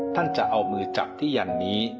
ท่านจะเอามือจับที่ยันนี้